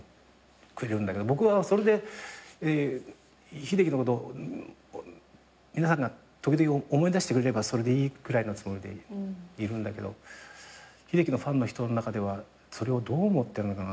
僕はそれで秀樹のこと皆さんが時々思い出してくれればそれでいいくらいのつもりでいるんだけど秀樹のファンの人の中ではそれをどう思ってるのかなと。